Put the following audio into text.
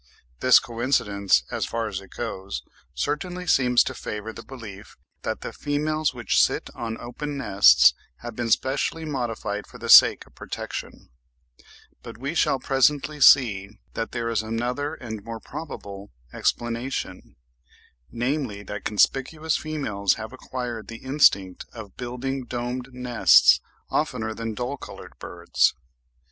This coincidence, as far as it goes, certainly seems to favour the belief that the females which sit on open nests have been specially modified for the sake of protection; but we shall presently see that there is another and more probable explanation, namely, that conspicuous females have acquired the instinct of building domed nests oftener than dull coloured birds.